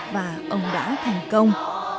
và ông đã thành công